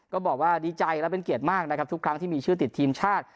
ก็บอกว่าดีใจและเป็นเกียรติมากนะครับทุกครั้งที่มีชื่อติดทีมชาติ